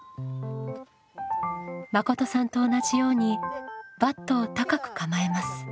まことさんと同じようにバットを高く構えます。